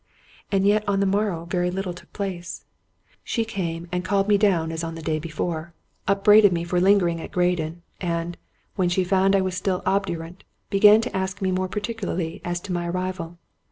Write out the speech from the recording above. And yet on the morrow very little took place. She came 174 Robert Louis Stevenson and called me down as on the day before, upbraided me for lingering at Graden, and, when she found I was still obdurate, began to ask me more particularly as to my ar rival.